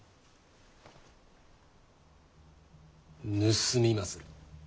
盗みまする。